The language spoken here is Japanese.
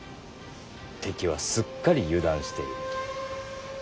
敵はすっかり油断している。